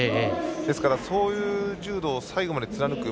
ですから、そういう柔道を最後まで貫く。